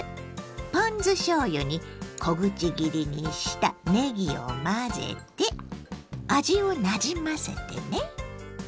ポン酢しょうゆに小口切りにしたねぎを混ぜて味をなじませてね。